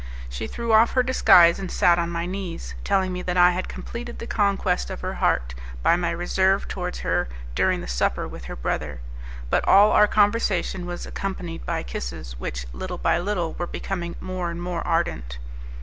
She threw off her disguise and sat on my knees, telling me that I had completed the conquest of her heart by my reserve towards her during the supper with her brother; but all our conversation was accompanied by kisses which, little by little, were becoming more and more ardent.